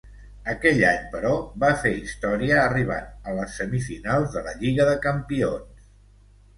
Aquell any però, va fer història arribant a les semifinals de la Lliga de Campions.